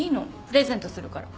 プレゼントするから。